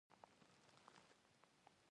فرشته سپوږمۍ هوښياره ده.